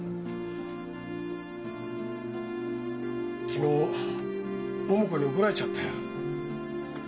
昨日桃子に怒られちゃったよ。